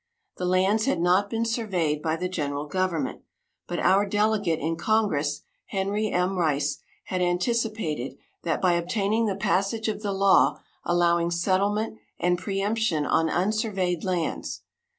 The lands had not been surveyed by the general government, but our delegate in congress, Henry M. Rice, had anticipated that by obtaining the passage of the law allowing settlement and preëmption on unsurveyed lands.